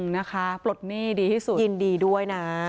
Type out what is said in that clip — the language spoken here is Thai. นะคะปลดหนี้ดีที่สุดยินดีด้วยนะ